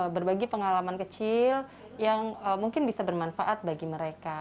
berbagi pengalaman kecil yang mungkin bisa bermanfaat bagi mereka